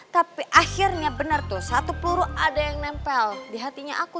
tapi akhirnya benar tuh satu peluru ada yang nempel di hatinya aku